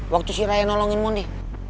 waktu si raya nolongin mondi